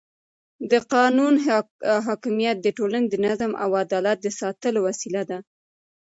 د قانون حاکمیت د ټولنې د نظم او عدالت د ساتلو وسیله ده